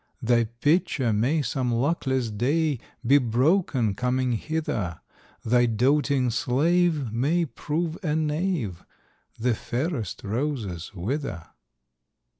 Thy Pitcher may some luckless day Be broken coming hither, Thy doting slave may prove a knave,— The fairest roses wither."